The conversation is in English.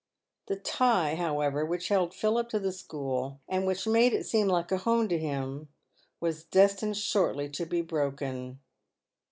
The tie, however, which held Philip to the school, and which made it seem like a home to him, was destined shortly to be broken.